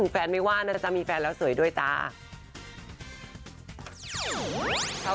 แฟนไม่ว่านะจ๊ะมีแฟนแล้วสวยด้วยจ้า